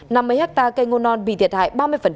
năm mấy ha cây ngô non bị thiệt hại ba mươi